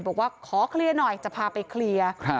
บอกว่าขอเคลียร์หน่อยจะพาไปเคลียร์